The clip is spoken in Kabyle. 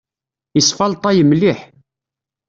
Isfalṭay mliḥ.